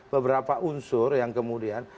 beberapa unsur yang kemudian